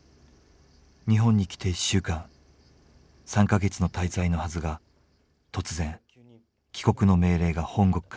日本に来て１週間３か月の滞在のはずが突然帰国の命令が本国から届きます。